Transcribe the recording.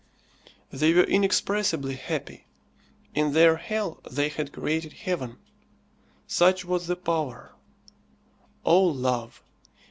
They were inexpressibly happy. In their hell they had created heaven. Such was thy power, O Love!